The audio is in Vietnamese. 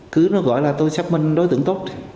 cứ nó gọi là tôi xác minh đối tượng tốt